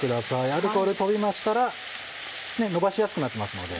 アルコール飛びましたらのばしやすくなってますので。